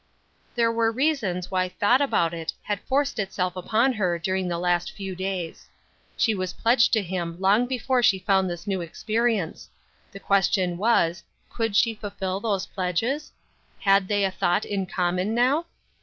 There were reasons why thought about it had forced itself upon her during the last few days. She was pledged to him long before she found this new experience. The question was, Could she fulfil those pledges? Had they a thought in common now?